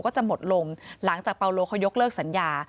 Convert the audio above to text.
ก็จะหมดลงหลังจากเปาโลเขายกเลิกสัญญา